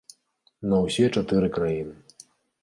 На ўсе чатыры краіны.